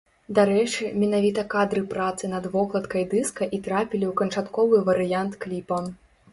Дарэчы, менавіта кадры працы над вокладкай дыска і трапілі ў канчатковы варыянт кліпа.